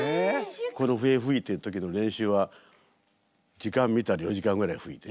この笛吹いてる時の練習は時間見たら４時間ぐらい吹いてる。